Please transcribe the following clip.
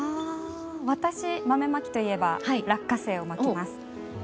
私、豆まきといえば落花生をまきます。